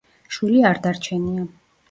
შვილი არ დარჩენია.